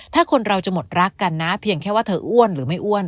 ถ้าคนเราจะหมดรักกันนะเพียงแค่ว่าเธออ้วนหรือไม่อ้วน